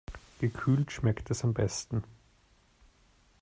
Gekühlt schmeckt es am besten.